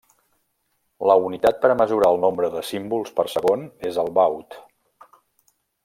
La unitat per a mesurar el nombre de símbols per segon és el Baud.